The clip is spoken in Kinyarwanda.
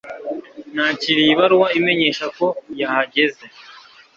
Nakiriye ibaruwa imenyesha ko yahageze.